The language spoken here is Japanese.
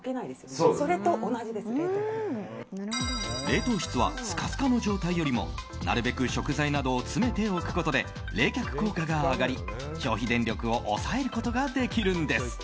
冷凍室はスカスカの状態よりもなるべく食材などを詰めておくことで冷却効果が上がり、消費電力を抑えることができるんです。